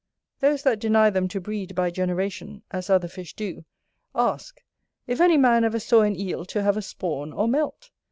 Those that deny them to breed by generation, as other fish do, ask, If any man ever saw an Eel to have a spawn or melt?